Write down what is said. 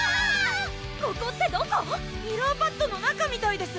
ここってどこ⁉ミラーパッドの中みたいです